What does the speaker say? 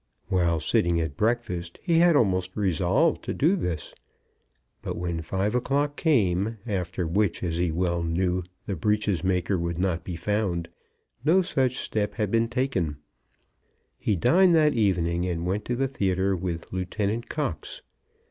While sitting at breakfast he had almost resolved to do this; but when five o'clock came, after which, as he well knew, the breeches maker would not be found, no such step had been taken. He dined that evening and went to the theatre with Lieutenant Cox.